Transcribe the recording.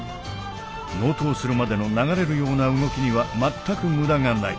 納刀するまでの流れるような動きには全く無駄がない。